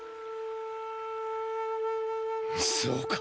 そうか。